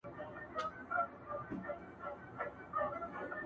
په دولت که وای سردار خو د مهمندو عزیز خان وو،